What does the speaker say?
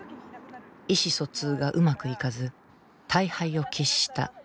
意思疎通がうまくいかず大敗を喫したなでしこ。